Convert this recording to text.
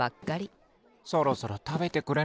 そろそろたべてくれないかな。